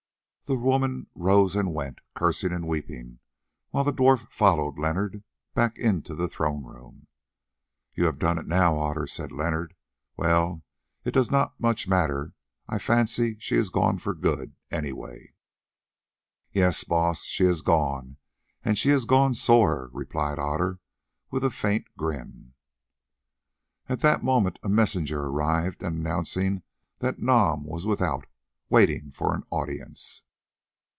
The woman rose and went, cursing and weeping, while the dwarf followed Leonard back into the throne room. "You have done it now, Otter," said Leonard. "Well, it does not much matter. I fancy she is gone for good, any way." "Yes, Baas, she has gone, and she has gone sore," replied Otter with a faint grin. At that moment a messenger arrived announcing that Nam was without waiting for an audience.